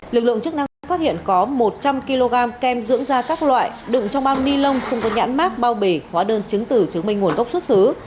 lực lượng chức năng cũng phát hiện có một trăm linh kg kem dưỡng da các loại đựng trong bao ni lông không có nhãn mát bao bì hóa đơn chứng tử chứng minh nguồn gốc xuất xứ